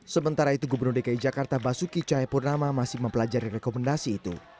sementara itu gubernur dki jakarta basuki cahayapurnama masih mempelajari rekomendasi itu